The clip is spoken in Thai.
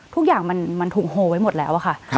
ทุกอย่างมันถูกโฮไว้หมดแล้วอะค่ะ